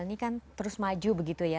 ini kan terus maju begitu ya